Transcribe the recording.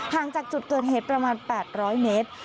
จากจุดเกิดเหตุประมาณ๘๐๐เมตร